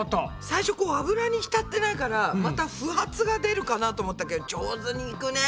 最初油にひたってないからまた不発が出るかなと思ったけど上手にいくね。ね。